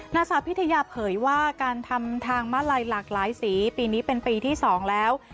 นางสาวพิทยาเผยว่าการทำทางมาลัยหลากหลายสีปีนี้เป็นปีที่๒แล้ว